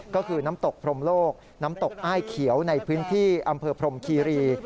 ก็คือน้ำตกพรมโลกน้ำตกอ้ายเขียวในพื้นที่อำเภอพรมคีรี